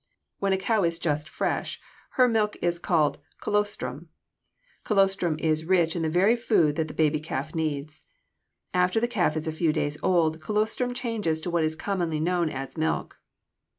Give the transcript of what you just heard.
When a cow is just fresh, her milk is called colostrum. Colostrum is rich in the very food that the baby calf needs. After the calf is a few days old, colostrum changes to what is commonly known as milk.